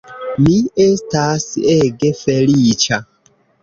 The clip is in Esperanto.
Mi estas ege feliĉa!